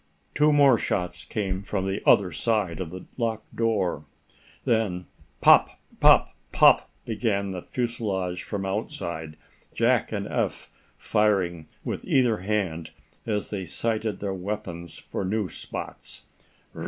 Two more shots came from the other side of the locked door. Then pop pop pop! began the fusilade from outside, Jack and Eph firing with either hand as they sighted their weapons for new spots.